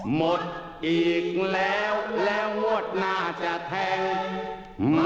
หมดอีกแล้วแล้วงวดหน้าจะแทง